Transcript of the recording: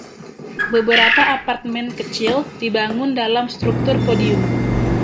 Beberapa aparetmen kecil dibangun dalam struktur podium.